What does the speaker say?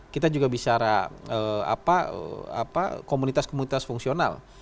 kita juga bicara komunitas komunitas fungsional